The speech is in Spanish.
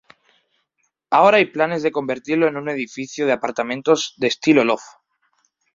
Ahora hay planes para convertirlo en un edificio de apartamentos de estilo loft.